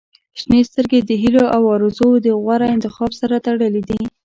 • شنې سترګې د هیلو او آرزووو د غوره انتخاب سره تړلې دي.